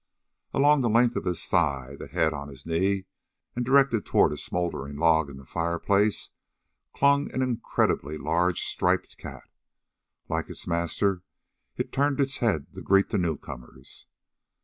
Along the length of his thigh, the head on his knee and directed toward a smoldering log in a fireplace, clung an incredibly large striped cat. Like its master, it turned its head to greet the newcomers.